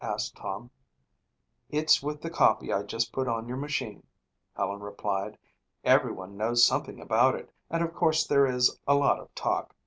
asked Tom. "It's with the copy I just put on your machine," Helen replied. "Everyone knows something about it and of course there is a lot of talk.